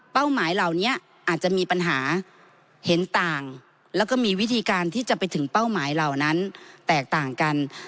หมายเหล่านี้อาจจะมีปัญหาเห็นต่างแล้วก็มีวิธีการที่จะไปถึงเป้าหมายเหล่านั้นแตกต่างกัน